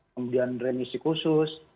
kemudian remisi khusus